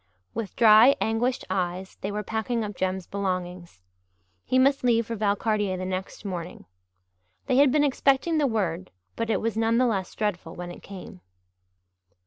With dry, anguished eyes they were packing up Jem's belongings. He must leave for Valcartier the next morning. They had been expecting the word but it was none the less dreadful when it came.